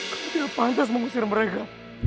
kami tidak pantas mengusir mereka